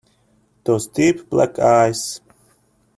Those deep black eyes!